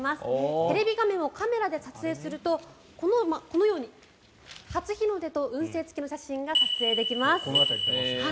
テレビ画面をカメラで撮影するとこのように初日の出と運勢付きの写真が撮影できます。